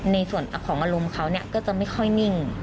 ในส่วนของอารมณ์เขาก็จะไม่ค่อยนิ่ง